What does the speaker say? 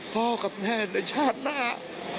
พ่อกับแม่ในชาติหน้า